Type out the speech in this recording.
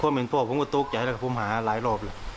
แต่พ่อเห็นพ่อพูดตุ๊กอยากให้พ่อพูดหาหลายรอบเลย